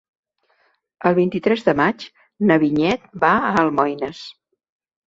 El vint-i-tres de maig na Vinyet va a Almoines.